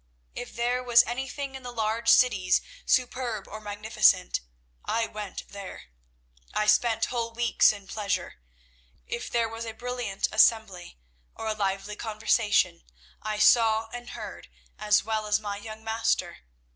If there was anything in the large cities superb or magnificent, I went there. I spent whole weeks in pleasure. If there was a brilliant assembly or a lively conversation, I saw and heard as well as my young master.